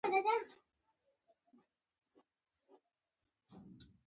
ګلان ولې اوبو ته اړتیا لري؟